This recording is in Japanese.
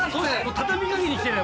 畳みかけにきてるよ